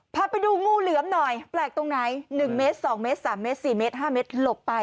พาไปดูงูเหลือมหน่อยแปลกตรงไหน๑เมตร๒เมตร๓เมตร๔เมตร๕เมตรหลบไป